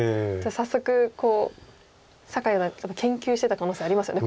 早速こう酒井四段研究してた可能性ありますよね。